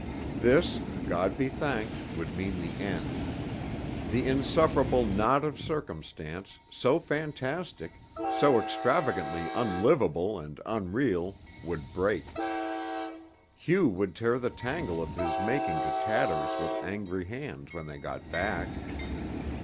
This, God be thanked, would mean the end. The insufferable knot of circumstance, so fantastic, so extravagantly unlivable and unreal, would break, Hugh would tear the tangle of his making to tatters with angry hands when they got back.